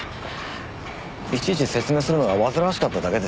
いちいち説明するのがわずらわしかっただけですよ。